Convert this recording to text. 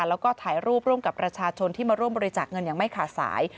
แล้วก็ถ่ายรูปร่วมกับประชาชนที่มาร่วมบริจาคเงินอย่างไม่ขาดสาย